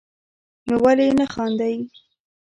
نو ولي نه خاندئ